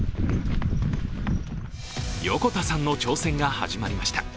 横田さんの挑戦が始まりました。